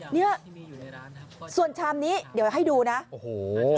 เนี่ยส่วนชามนี้เดี๋ยวให้ดูนะโอ้โห